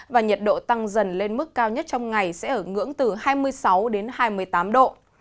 và nhiệt độ tăng dần lên mức cao nhất trong ngày sẽ ở ngưỡng từ hai mươi sáu đến hai mươi tám độ